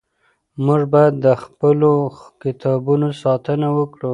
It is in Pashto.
موږ باید د خپلو کتابونو ساتنه وکړو.